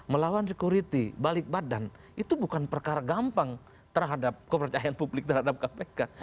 melawan security balik badan itu bukan perkara gampang terhadap kepercayaan publik terhadap kpk